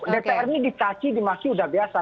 dpr ini dikaci dimasih udah biasa